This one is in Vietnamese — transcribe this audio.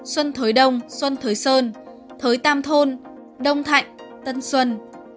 xuân thới đông xuân thới sơn thới tam thôn đông thạnh tân xuân